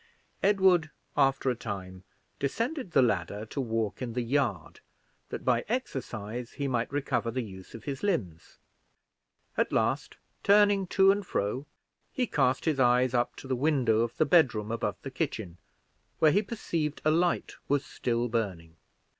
Edward, after a time, descended the ladder to walk in the yard, that by exercise he might recover the use of his limbs. At last, turning to and fro, he cast his eyes up to the window of the bedroom above the kitchen, where he perceived a light was still burning.